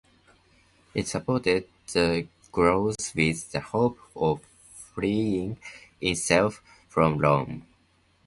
It supported the Gauls with the hope of freeing itself from Rome.